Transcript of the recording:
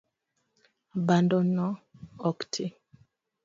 Babano ok ti